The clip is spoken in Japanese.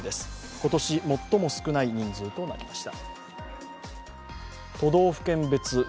今年最も少ない人数となりました。